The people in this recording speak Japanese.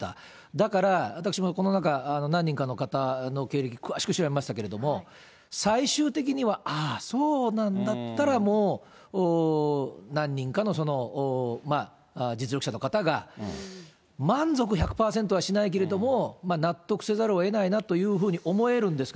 だから、私もこの中、何人かの方の経歴、詳しく調べましたけれども、最終的には、ああ、そうなんだったら、もう、何人かの実力者の方が満足１００％はしないけれども、納得せざるをえないなというふうに思えるんですが、